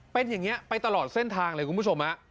เป็นอย่างนี้ไปตลอดเส้นทางเลยคุณผู้ชม